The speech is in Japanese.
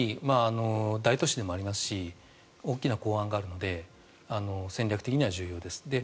大都市でもありますし大きな港湾があるので戦略的には重要です。